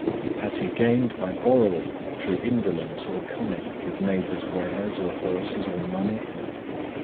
Has he gained by borrowing, through indolence or cunning, his neighbor's wares, or horses, or money?